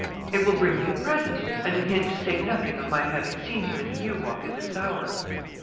It will bring me a present, and a hint to say nothing of my having seen him in the yew walk at this hour.'